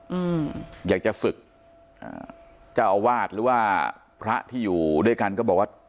อืมอยากจะศึกอ่าเจ้าอาวาสหรือว่าพระที่อยู่ด้วยกันก็บอกว่า